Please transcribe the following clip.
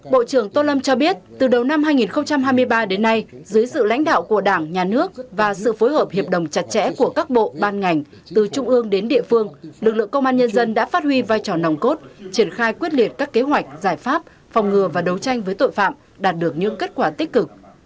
bộ trưởng tô lâm cho biết từ đầu năm hai nghìn hai mươi ba đến nay dưới sự lãnh đạo của đảng nhà nước và sự phối hợp hiệp đồng chặt chẽ của các bộ ban ngành từ trung ương đến địa phương lực lượng công an nhân dân đã phát huy vai trò nòng cốt triển khai quyết liệt các kế hoạch giải pháp phòng ngừa và đấu tranh với tội phạm đạt được những kết quả tích cực